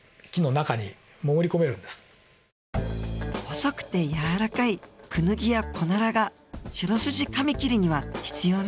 細くて柔らかいクヌギやコナラがシロスジカミキリには必要なんですね。